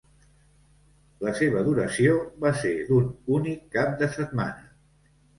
La seva duració va ser d'un únic cap de setmana.